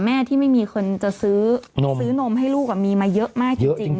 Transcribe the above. แม่ที่ไม่มีคนจะซื้อนมให้ลูกมีมาเยอะมากจริง